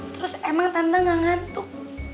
terus emang teteh nggak ngantuk